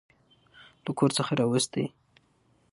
له کور څخه راوستې.